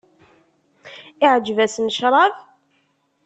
Iεǧeb-asen ccrab?